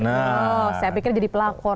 oh saya pikir jadi pelakor